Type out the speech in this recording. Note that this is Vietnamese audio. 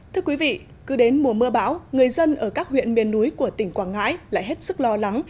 thưa quý vị cứ đến mùa mưa bão người dân ở các huyện miền núi của tỉnh quảng ngãi lại hết sức lo lắng